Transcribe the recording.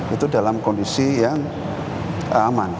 itu dalam kondisi yang aman